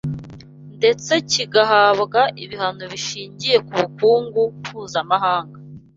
ndetse kigahabwa ibihano bishingiye ku bukungu mpuzamahanga